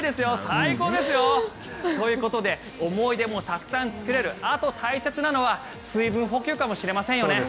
最高ですよ。ということで思い出もたくさん作れるあと大切なのは水分補給かもしれませんよね。